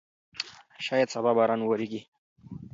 شاید سبا باران وورېږي.